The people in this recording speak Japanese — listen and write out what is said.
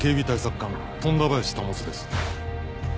官富田林保です。